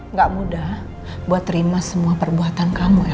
nggak mudah buat terima semua perbuatan kamu ya